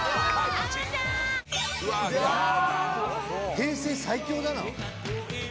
平成最強だな。